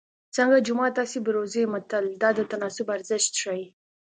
څنګه جومات هسې بروزې متل د تناسب ارزښت ښيي